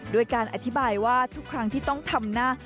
ด้วยการอธิบายว่าทุกครั้งที่ต้องทำหน้า